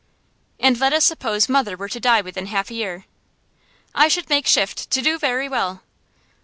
'And let us suppose mother were to die within half a year?' 'I should make shift to do very well.